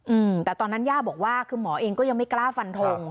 อืมแต่ตอนนั้นย่าบอกว่าคือหมอเองก็ยังไม่กล้าฟันทง